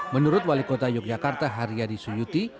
menurut wali kota yogyakarta haryadi suyuti